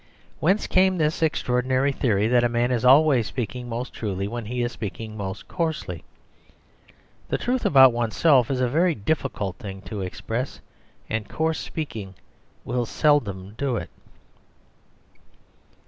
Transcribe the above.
Whence came this extraordinary theory that a man is always speaking most truly when he is speaking most coarsely? The truth about oneself is a very difficult thing to express, and coarse speaking will seldom do it.